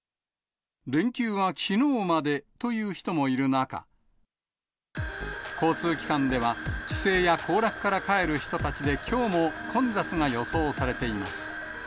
連休はきのうまでという人もいる中、交通機関では、帰省や行楽から帰る人たちできょうも混雑が予想されています。